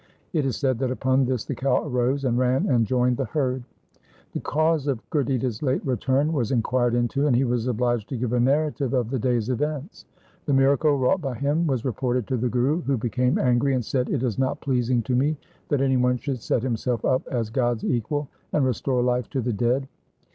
It is said that upon this the cow arose, and ran and joined the herd. The cause of Gurditta's late return was inquired into, and he was obliged to give a narrative of the day's events. The miracle wrought by him was reported to the Guru, who became angry, and said, ' It is not pleasing to me that any one should set himself up as God's equal, and restore life to the dead.